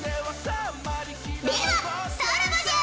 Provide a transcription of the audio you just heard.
ではさらばじゃ！